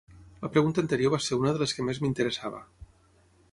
La pregunta anterior va ser una de les que més m'interessava.